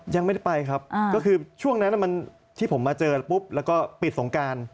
ยังไม่ได้ไปครับก็คือช่วงนั้นที่ผมมาเจอปุ๊บแล้วก็ปิดสงการ